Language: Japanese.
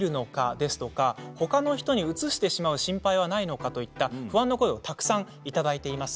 ですとかほかの人にうつしてしまう心配はないのかといった不安の声をたくさんいただいています。